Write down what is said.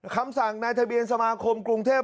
คำสั่งในทะเบียนสมาคมกรุงเทพ